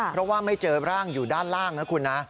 เพราะว่าไม่เจอร่างอยู่ด้านล่างนะคุณนะ